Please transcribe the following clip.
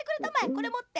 これもって。